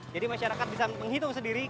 jadi masyarakat bisa menghitung sendiri